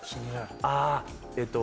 あえっと。